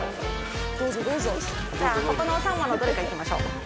ここの３羽のどれかいきましょう。